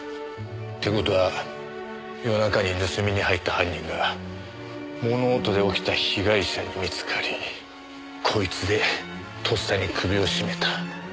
って事は夜中に盗みに入った犯人が物音で起きた被害者に見つかりこいつでとっさに首を絞めた。